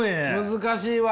難しいわ。